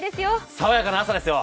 爽やかな朝ですよ！